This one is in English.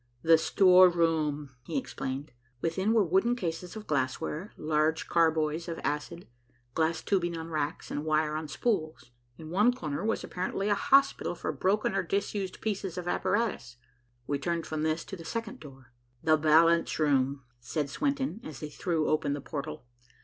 "The storeroom," he explained. Within were wooden cases of glassware, large carboys of acid, glass tubing on racks and wire on spools. In one corner was apparently a hospital for broken or disused pieces of apparatus. We turned from this to the second door. "The balance room," said Swenton, as he threw open the portal.